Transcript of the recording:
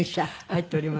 入っております。